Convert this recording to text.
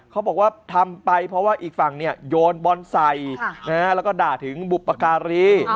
เขาบอกว่าทำไปเพราะว่าอีกฝั่งโยนบอลใส่แล้วก็ด่าถึงบุปการี